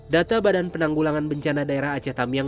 data badan penanggulangan bencana daerah aceh tamiang